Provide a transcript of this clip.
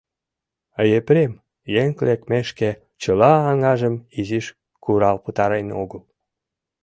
Епрем, еҥ лекмешке, чыла аҥажым изиш курал пытарен огыл.